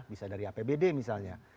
bisa dari apbd misalnya